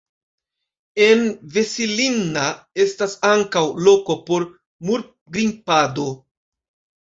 En Vesilinna estas ankaŭ loko por murgrimpado.